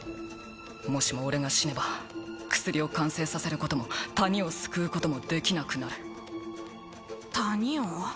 もしも俺が死ねば薬を完成させることも谷を救うこともできなくなる谷を？